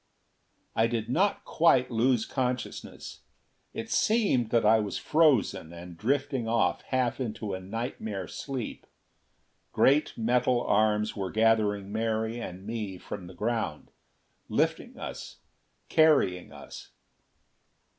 I did not quite lose consciousness. It seemed that I was frozen, and drifting off half into a nightmare sleep. Great metal arms were gathering Mary and me from the ground. Lifting us; carrying us....